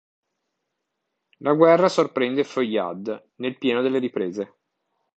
La guerra sorprende Feuillade nel pieno delle riprese.